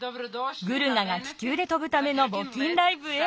グルガが気球で飛ぶためのぼきんライブへ。